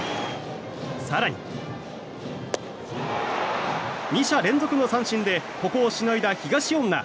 更に、２者連続の三振でここをしのいだ東恩納。